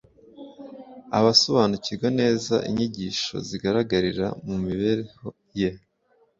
Abasobanukirwa neza inyigisho zigaragarira mu mibereho ye